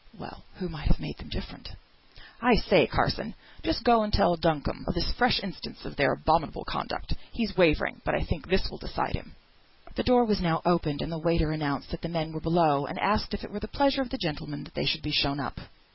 (Well! who might have made them different?) "I say, Carson, just go and tell Duncombe of this fresh instance of their abominable conduct. He's wavering, but I think this will decide him." The door was now opened, and a waiter announced that the men were below, and asked if it were the pleasure of the gentlemen that they should be shown up.